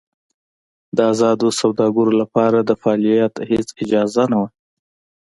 د ازادو سوداګرو لپاره د فعالیت هېڅ اجازه نه وه.